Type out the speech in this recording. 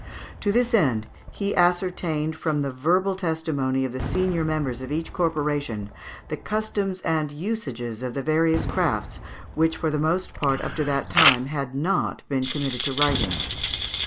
To this end he ascertained from the verbal testimony of the senior members of each corporation the customs and usages of the various crafts, which for the most part up to that time had not been committed to writing.